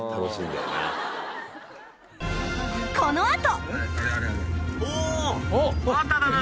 このあと。